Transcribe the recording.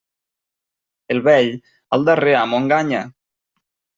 El vell, al darrer amo enganya.